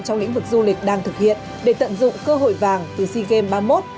trong lĩnh vực du lịch đang thực hiện để tận dụng cơ hội vàng từ sea games ba mươi một